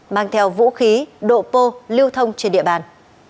mang theo vũ khí độ pô lưu thông trên địa bàn